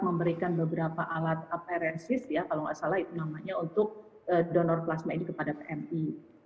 memberikan beberapa alat aparensis ya kalau nggak salah itu namanya untuk donor plasma ini kepada pmi